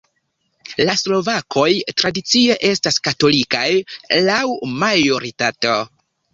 La slovakoj tradicie estas katolikaj laŭ majoritato.